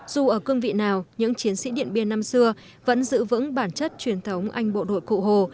dù ở cương vị nào những chiến sĩ điện biên năm xưa vẫn giữ vững bản chất truyền thống anh bộ đội cụ hồ